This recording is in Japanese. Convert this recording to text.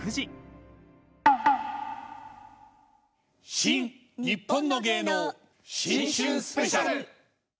「新・にっぽんの芸能新春スペシャル」。